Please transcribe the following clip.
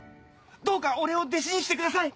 どうか俺を弟子にしてください！